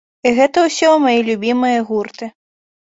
І гэта ўсё мае любімыя гурты.